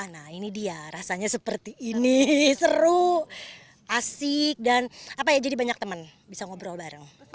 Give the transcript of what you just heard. nah ini dia rasanya seperti ini seru asik dan apa ya jadi banyak teman bisa ngobrol bareng